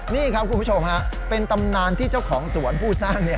นี่ครับคุณผู้ชมฮะเป็นตำนานที่เจ้าของสวนผู้สร้าง